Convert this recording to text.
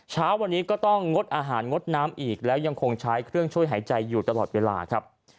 เช้าวันนี้ก็ต้องงดอาหารงดน้ำอีกแล้วยังคงใช้เครื่องช่วยหายใจอยู่ตลอดเวลาครับ